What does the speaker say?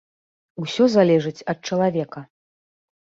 Усё залежыць ад чалавека.